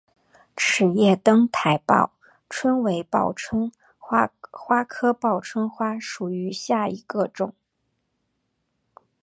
齿叶灯台报春为报春花科报春花属下的一个种。